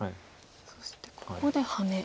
そしてここでハネ。